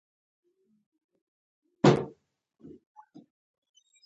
هغې له خپله ځايه پورته شوه او د بهر په لور روانه شوه.